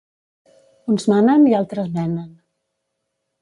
Uns manen i altres menen.